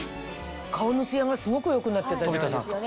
顔のツヤがすごく良くなってたじゃないですか。